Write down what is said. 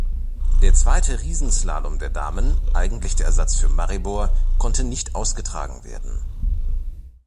Der zweite Riesenslalom der Damen, eigentlich der Ersatz für Maribor, konnte nicht ausgetragen werden.